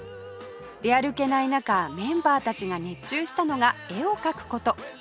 出歩けない中メンバーたちが熱中したのが絵を描く事